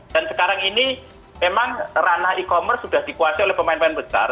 dan sekarang ini memang ranah e commerce sudah dikuasai oleh pemain pemain besar